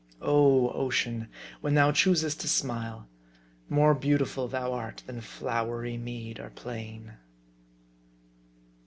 Oh, Ocean, when thou choosest to smile, more beautiful thou art than flowery mead or plain